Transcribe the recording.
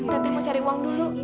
teteh mau cari uang dulu ya